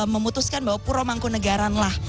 memutuskan bahwa puro mangkunagaran lah